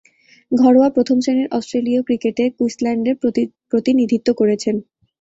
ঘরোয়া প্রথম-শ্রেণীর অস্ট্রেলীয় ক্রিকেটে কুইন্সল্যান্ডের প্রতিনিধিত্ব করেছেন।